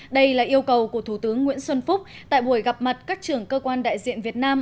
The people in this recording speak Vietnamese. đây là yêu cầu của thủ tướng nguyễn xuân phúc tại buổi gặp mặt các trưởng cơ quan đại diện việt nam